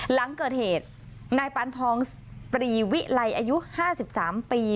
หลังเกิดเหตุนายปานทองปรีวิไลอายุ๕๓ปี